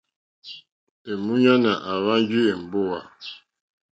Èmúɲánà àhwánjì èmbówà.